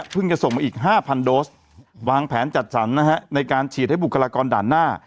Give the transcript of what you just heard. จะส่งมาอีก๕๐๐โดสวางแผนจัดสรรนะฮะในการฉีดให้บุคลากรด่านหน้า